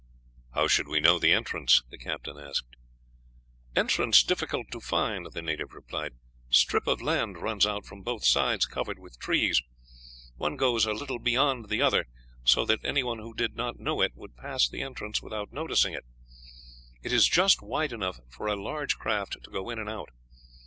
"How should we know the entrance?" the captain asked. "Entrance difficult to find," the native replied; "strip of land runs out from both sides, covered with trees. One goes a little beyond the other, so that anyone who did not know it would pass the entrance without noticing it. It is just wide enough for a large craft to go in and out.